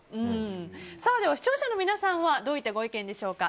では視聴者の皆さんはどういったご意見でしょうか。